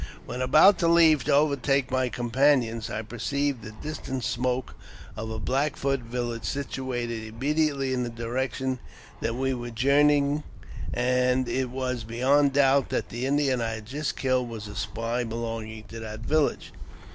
When about to leave to over take my companions, I perceived the distant smoke of a Black Foot village situated immediately in the direction that we were journeying, and it was beyond doubt that the Indian I had just killed was a spy belonging to that village.